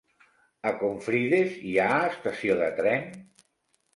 A Confrides hi ha estació de tren?